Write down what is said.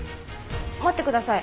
待ってください。